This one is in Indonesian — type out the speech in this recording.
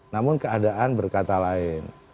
namun keadaan berkata lain